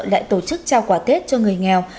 lại tổ chức trao quà tết cho người nghèo